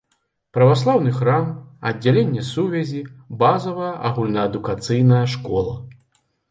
Праваслаўны храм, аддзяленне сувязі, базавая агульнаадукацыйная школа.